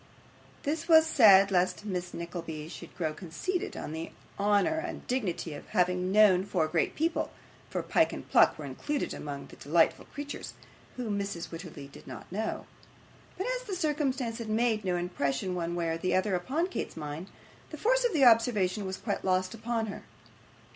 This was said lest Miss Nickleby should grow conceited on the honour and dignity of having known four great people (for Pyke and Pluck were included among the delightful creatures), whom Mrs. Wititterly did not know. But as the circumstance had made no impression one way or other upon Kate's mind, the force of the observation was quite lost upon her.